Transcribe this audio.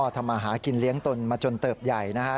ทำมาหากินเลี้ยงตนมาจนเติบใหญ่นะฮะ